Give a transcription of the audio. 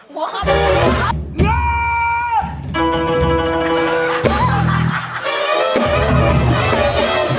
หัวครับหัวครับ